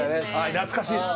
懐かしいです